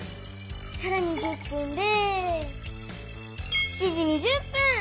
さらに１０分で７時２０分！